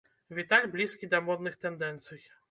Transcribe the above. Віталь блізкі да модных тэндэнцый.